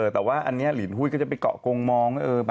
แต่ว่าอันนี้ลินหุ้ยก็จะไปเกาะกงมอง